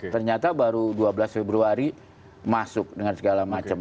ternyata baru dua belas februari masuk dengan segala macam